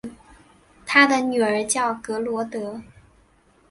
他的女儿叫格萝德。